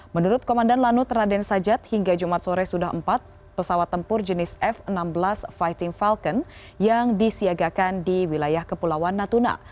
menurut komandan lanut raden sajat hingga jumat sore sudah empat pesawat tempur jenis f enam belas fighting falcon yang disiagakan di wilayah kepulauan natuna